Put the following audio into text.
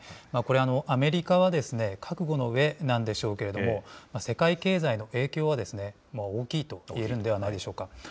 これ、アメリカは覚悟のうえなんでしょうけれども、世界経済の影響は、大きいと言えるんではないでしょうか。